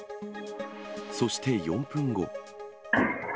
そして４分後。